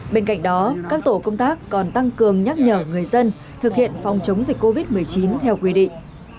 bên cạnh đó các tổ công tác còn tăng cường nhắc nhở người dân thực hiện phòng chống dịch covid một mươi chín theo quy định